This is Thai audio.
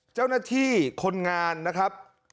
เจ้าหน้าที่คนงานนะครับ